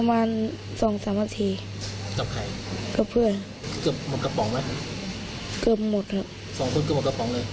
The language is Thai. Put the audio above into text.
๒คนเกือบหมดกระป๋องเลย